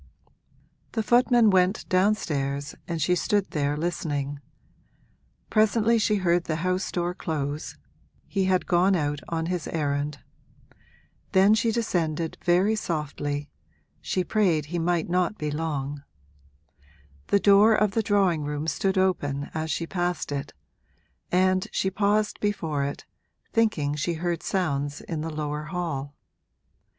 The footman went downstairs and she stood there listening; presently she heard the house door close he had gone out on his errand. Then she descended very softly she prayed he might not be long. The door of the drawing room stood open as she passed it, and she paused before it, thinking she heard sounds in the lower hall.